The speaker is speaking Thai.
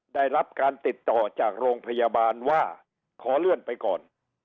ได้รับการติดต่อจากโรงพยาบาลว่าขอเลื่อนไปก่อน